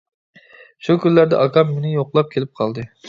شۇ كۈنلەردە ئاكام مېنى يوقلاپ كېلىپ قالدى.